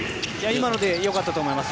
今のでよかったと思います。